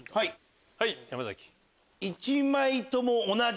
はい山崎。